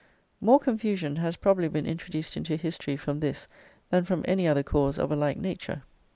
More confusion has probably been introduced into history from this than from any other cause of a like nature.